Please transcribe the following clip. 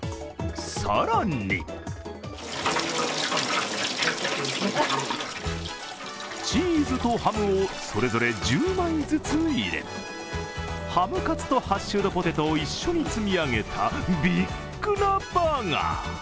更にチーズとハムをそれぞれ１０枚ずつ入れハムカツとハッシュドポテトを一緒に積み上げたビッグなバーガー。